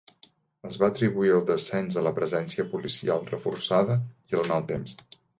Es va atribuir el descens a la presència policial reforçada i el mal temps.